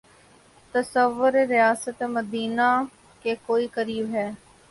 تصور ریاست مدینہ کے کوئی قریب ہے۔